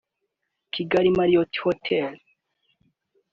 Kigali Marriot Hotel